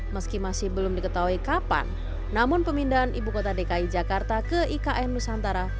meski masih belum diketahui kapan namun pemindahan ibu kota dki jakarta ke ikn nusantara